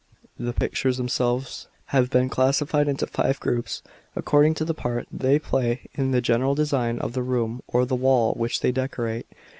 The pictures themselves have been classified into five groups, according to the part they play in the general design of the room or the wall which they decorate.